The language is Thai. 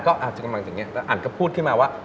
ก็จะกำลังจากนี้อันก็พูดขึ้นมาว่า